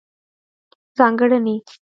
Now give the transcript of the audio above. ځانګړنې: